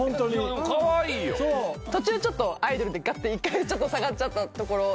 途中ちょっとアイドルでガッて１回下がっちゃったところ。